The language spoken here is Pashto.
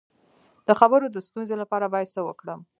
د خبرو د ستونزې لپاره باید څه وکړم؟